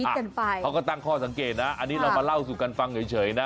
กันไปเขาก็ตั้งข้อสังเกตนะอันนี้เรามาเล่าสู่กันฟังเฉยนะ